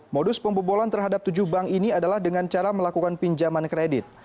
modus pembobolan terhadap tujuh bank ini adalah dengan cara melakukan pinjaman kredit